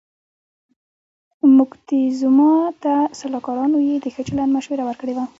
موکتیزوما ته سلاکارانو یې د ښه چلند مشوره ورکړې وه.